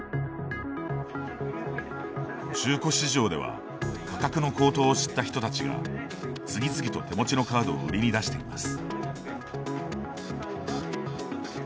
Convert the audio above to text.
中古市場では、価格の高騰を知った人たちが次々と手持ちのカードを売りに出しています。